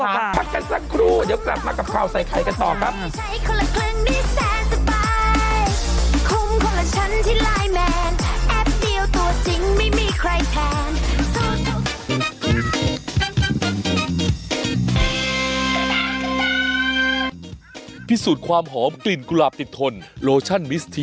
พักกันสักครู่เดี๋ยวกลับมากับข่าวใส่ไข่กันต่อครับ